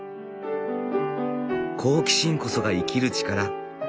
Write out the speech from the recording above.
好奇心こそが生きる力。